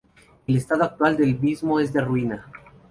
El estado actual del mismo es de ruina.